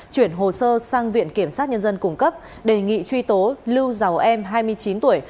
chuyển hồ sơ sang viện kiểm sát nhân dân cung cấp đề nghị truy tố lưu giàu em hai mươi chín tuổi